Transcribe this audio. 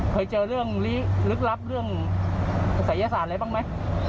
เคยเจอเรื่องลึกลับเรื่องศัยศาสตร์อะไรบ้างไหม